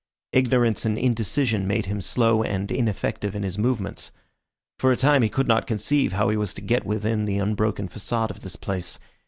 Ignorance and indecision made him slow and ineffective in his movements. For a time he could not conceive how he was to get within the unbroken façade of this place.